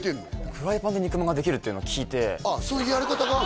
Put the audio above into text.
フライパンで肉まんができるっていうのを聞いてあっそういうやり方があるの？